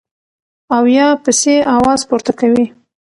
او يا پسې اواز پورته کوي -